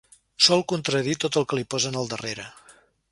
Sol contradir tot el que li posen al darrere.